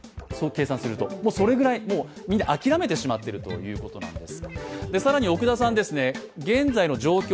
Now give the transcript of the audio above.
それぐらいみんな諦めてしまってるということなんです。